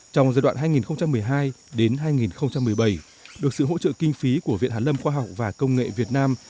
trong giai đoạn hai nghìn một mươi hai hai nghìn một mươi bảy được sự hỗ trợ kinh phí của viện hàn lâm khoa học và công nghệ việt nam